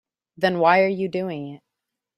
Then why are you doing it?